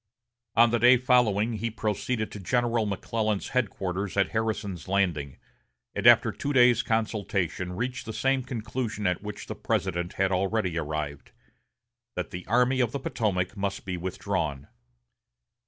On the day following he proceeded to General McClellan's headquarters at Harrison's Landing, and after two days' consultation reached the same conclusion at which the President had already arrived, that the Army of the Potomac must be withdrawn.